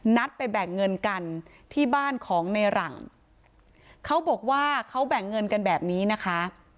นัดไปแบ่งเงินกันที่บ้านของในหลังเขาบอกว่าเขาแบ่งเงินกันแบบนี้นะคะ